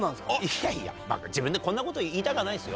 いやいや自分でこんなこと言いたかないですよ。